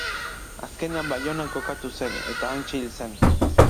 Azkenean, Baionan kokatu zen, eta hantxe hil zen.